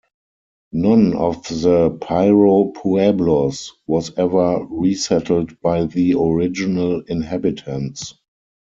None of the Piro pueblos was ever resettled by the original inhabitants.